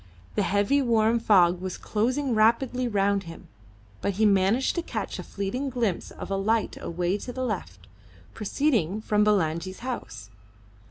The heavy warm fog was closing rapidly round him, but he managed to catch a fleeting glimpse of a light away to the left, proceeding from Bulangi's house.